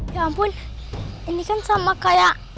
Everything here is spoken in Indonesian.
ya ampun ini kan sama kayak